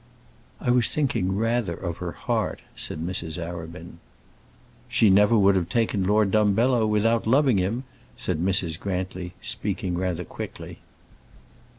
"I was thinking rather of her heart," said Mrs. Arabin. "She never would have taken Lord Dumbello without loving him," said Mrs. Grantly, speaking rather quickly.